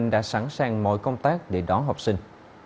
đã sẵn sàng mọi công tác để đón học sinh